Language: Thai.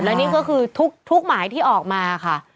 และนี่ก็คือทุกหมายที่ออกมาค่ะ